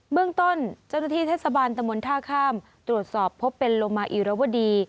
เมืองต้นเจ้าหน้าที่เทศบาลตะมนต์ท่าข้ามตรวจสอบพบเป็นโลมาอิรวดี